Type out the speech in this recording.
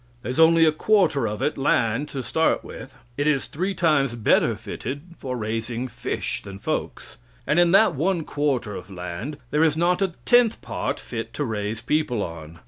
There's only a quarter of it land to start with. It is three times better fitted for raising fish than folks, and in that one quarter of land there is not a tenth part fit to raise people on.